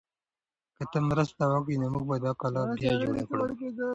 که ته مرسته وکړې نو موږ به دا کلا بیا جوړه کړو.